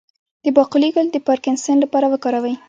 د باقلي ګل د پارکنسن لپاره وکاروئ